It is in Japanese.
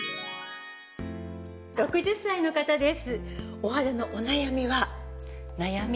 ６０歳の方です。